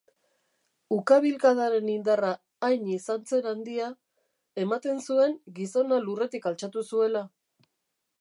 Ukabilkadaren indarra hain izan zen handia, ematen zuen gizona lurretik altxatu zuela.